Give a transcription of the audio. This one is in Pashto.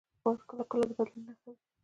باد کله کله د بدلون نښه وي